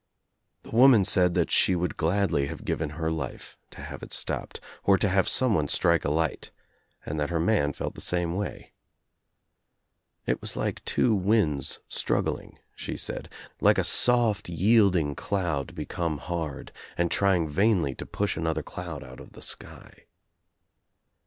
The woman said that she would gladly have given her life to have it stopped, or to have someone strike a light, and that her man felt the same way. It was like two winds struggling, she said, I 4 l66 THE TRIUMPH OF THE EGG like a soft yielding cloud become hard and trying' vainly to push another cloud out of the sky.